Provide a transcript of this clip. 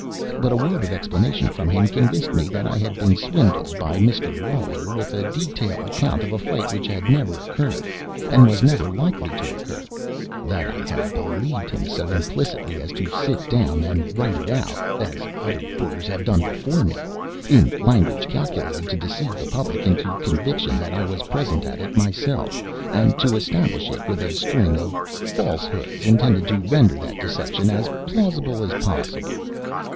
But a word of explanation from him convinced me that I had been swindled by Mr. Lawler with a detail account of a fight which had never occurred, and was never likely to occur; that I had believed him so implicitly as to sit down and write it out (as other reporters have done before me) in language calculated to deceive the public into the conviction that I was present at it myself, and to embellish it with a string of falsehoods intended to render that deception as plausible as possible.